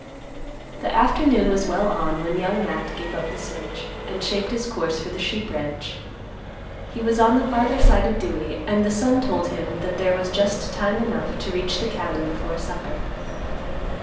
The afternoon was well on when Young Matt gave up the search, and shaped his course for the sheep ranch. He was on the farther side of Dewey, and the sun told him that there was just time enough to reach the cabin before supper.